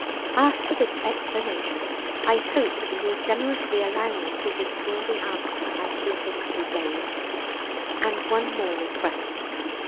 "After this explanation I hope you will generously allow me to withdraw the answer I too hastily gave. "And one more request.